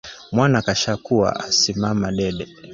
Mwana kashakuwa asimama dede